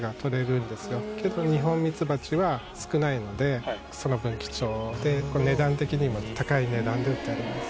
けどニホンミツバチは少ないのでその分貴重で値段的にも高い値段で売ってあります。